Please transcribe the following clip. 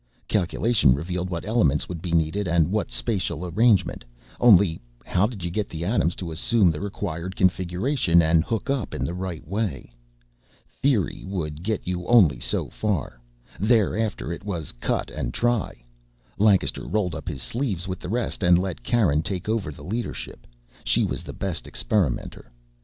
Calculation revealed what elements would be needed, and what spatial arrangement only how did you get the atoms to assume the required configuration and hook up in the right way? Theory would get you only so far, thereafter it was cut and try. Lancaster rolled up his sleeves with the rest and let Karen take over the leadership she was the best experimenter.